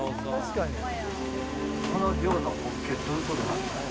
この量のホッケ、どういうことなんですか。